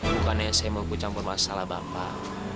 bukannya saya mau kecampur masalah bapak